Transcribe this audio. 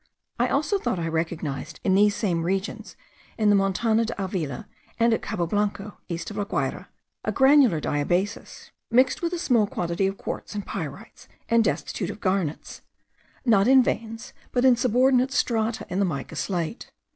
I also thought I recognized in these same regions, in the Montana de Avila, and at Cabo Blanco, east of La Guayra, a granular diabasis, mixed with a small quantity of quartz and pyrites, and destitute of garnets, not in veins, but in subordinate strata in the mica slate.